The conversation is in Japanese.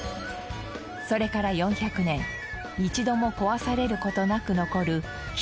それから４００年一度も壊される事なく残る貴重なお城。